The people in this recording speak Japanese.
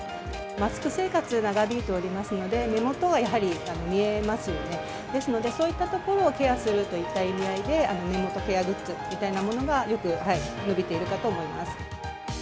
マスク生活、長引いておりますので、目元がやはり見えますよね、ですので、そういったところをケアするといった意味合いで、目元ケアグッズみたいなものがよく、伸びているかと思います。